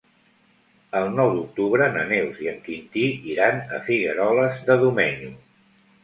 El nou d'octubre na Neus i en Quintí iran a Figueroles de Domenyo.